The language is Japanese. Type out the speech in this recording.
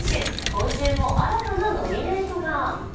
今週も新たなノミネートが。